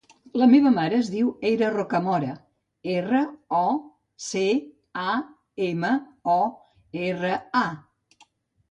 La meva mare es diu Eira Rocamora: erra, o, ce, a, ema, o, erra, a.